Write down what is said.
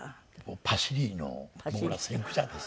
パシリの僕ら先駆者です。